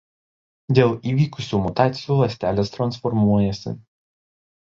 Dėl įvykusių mutacijų ląstelės transformuojasi.